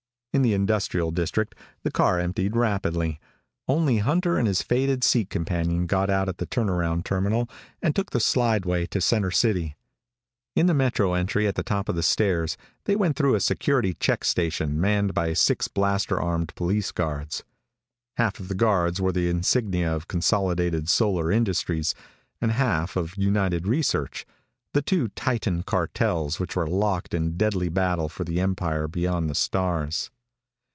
In the industrial district the car emptied rapidly. Only Hunter and his faded seat companion got out at the turnaround terminal and took the slideway to center city. In the metro entry at the top of the stairs they went through a security check station manned by six blaster armed police guards. Half of the guards wore the insignia of Consolidated Solar Industries and half of United Research, the two titan cartels which were locked in deadly battle for the empire beyond the stars.